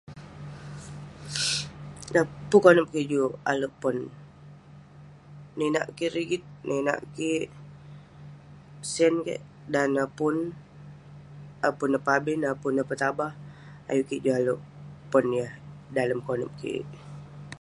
Dan pun konep kik juk alek pon, ninak kik rigit ..ninak kik sen kik..dan neh pun..awerk pun neh pabin, awerk pun ineh petabah..ayuk kik juk alek pon yah dalem konep kik..